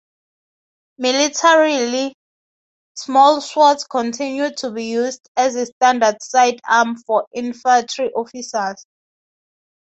Militarily, small swords continued to be used as a standard sidearm for infantry officers.